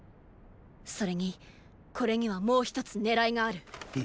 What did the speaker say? それにこれにはもう一つ狙いがある。？